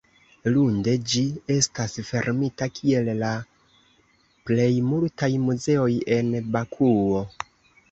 Lunde ĝi estas fermita kiel la plej multaj muzeoj en Bakuo.